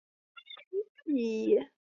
拜佛钳羊有尊崇佛山为祖庙的意义。